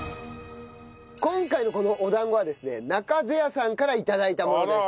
今回のこのお団子はですね中瀬屋さんから頂いたものです。